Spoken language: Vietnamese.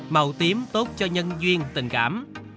màu tím tốt cho nhân duyên tình cảm